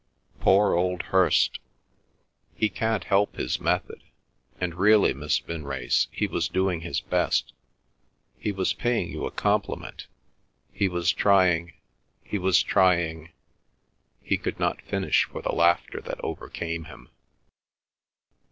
Poor old Hirst—he can't help his method. And really, Miss Vinrace, he was doing his best; he was paying you a compliment—he was trying—he was trying—" he could not finish for the laughter that overcame him.